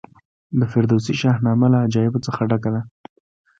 د فردوسي شاهنامه له عجایبو څخه ډکه ده.